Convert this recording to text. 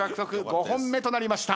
５本目となりました。